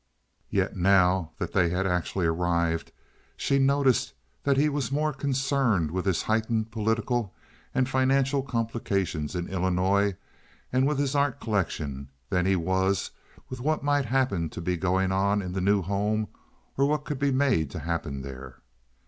Yet, now that they had actually arrived, she noticed that he was more concerned with his heightened political and financial complications in Illinois and with his art collection than he was with what might happen to be going on in the new home or what could be made to happen there.